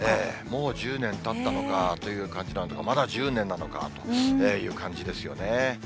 もう１０年たったのかという感じなのか、まだ１０年なのかという感じですよね。